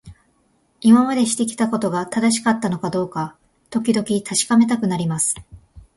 今までしてきたことが正しかったのかどうか、時々確かめたくなります。